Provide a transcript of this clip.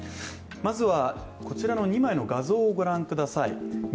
まずはこちらの２枚の画像をご覧ください。